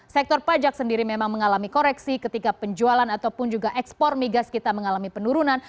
sektor pajak sendiri memang mengalami koreksi ketika penjualan ataupun juga ekspor migas kita mengalami penurunan